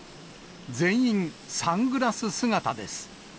全員、サングラス姿です。